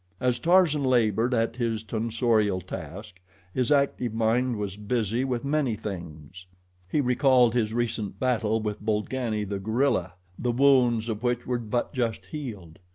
As Tarzan labored at his tonsorial task, his active mind was busy with many things. He recalled his recent battle with Bolgani, the gorilla, the wounds of which were but just healed.